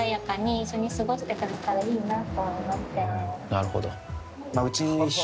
なるほど。